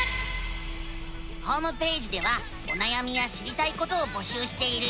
ホームページではおなやみや知りたいことを募集しているよ。